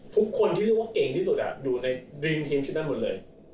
ทุกคนที่เรียกว่าเก่งที่สุดอยู่ในดริมทีมชุดนั้นหมดเลย